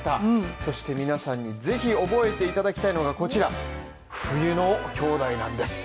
そして皆さんにぜひ覚えていただきたいのがこちら、冬のきょうだいなんです。